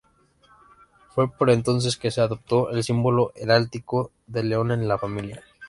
Fue por entonces que se adoptó el símbolo heráldico del león en la familia.